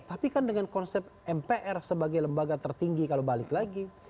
tapi kan dengan konsep mpr sebagai lembaga tertinggi kalau balik lagi